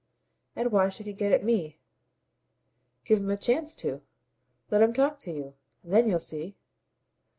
"And why should he get at me?" "Give him a chance to. Let him talk to you. Then you'll see."